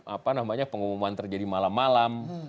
apa namanya pengumuman terjadi malam malam